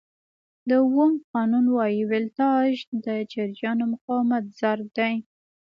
د اوم قانون وایي ولټاژ د جریان او مقاومت ضرب دی.